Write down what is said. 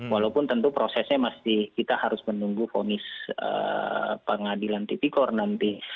walaupun tentu prosesnya masih kita harus menunggu fonis pengadilan tipikor nanti